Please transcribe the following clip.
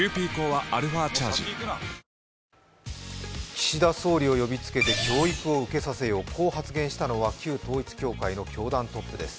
岸田総理を呼びつけて教育を受けさせよ、こう発言したのは旧統一教会の教団トップです。